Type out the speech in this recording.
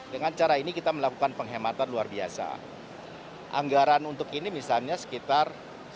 dengan cara ini kita melakukan penghematan luar biasa anggaran untuk ini misalnya sekitar